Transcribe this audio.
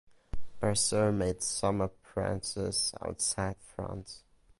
Brasseur made some appearances outside France.